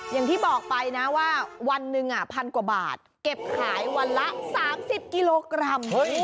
อย่างที่บอกไปนะว่าวันหนึ่งพันกว่าบาทเก็บขายวันละ๓๐กิโลกรัม